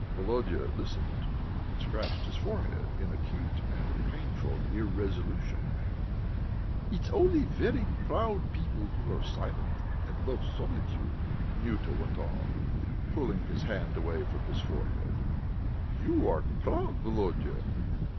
Volodya listened and scratched his forehead in acute and painful irresolution. "It's only very proud people who are silent and love solitude," Nyuta went on, pulling his hand away from his forehead. "You are proud, Volodya.